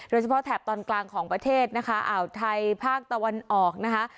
แถบตอนกลางของประเทศนะคะอ่าวไทยภาคตะวันออกนะคะ